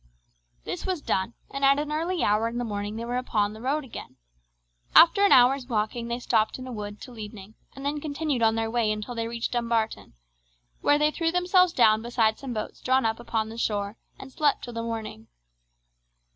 This was done, and at an early hour in the morning they were upon the road again. After an hour's walking they stopped in a wood till evening and then continued on their way until they reached Dumbarton, where they threw themselves down beside some boats drawn up upon the shore, and slept till the morning.